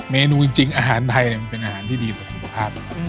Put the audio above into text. เมนูจริงอาหารไทยมันเป็นอาหารที่ดีต่อสุขภาพ